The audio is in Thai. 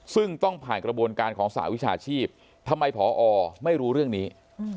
ซึ่งต้องผ่านกระบวนการของสหวิชาชีพทำไมผอไม่รู้เรื่องนี้